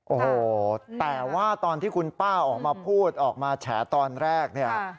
โอ้โหแต่ว่าตอนที่คุณป้าออกมาพูดออกมาแฉตอนแรกเนี่ย